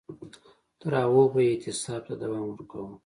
تر هغو به یې اعتصاب ته دوام ورکاوه.